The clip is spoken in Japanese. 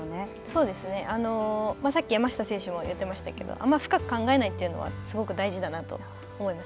そうですね、さっき山下選手も言ってましたけど、あんまり深く考えないというのはすごく大事だなと思います。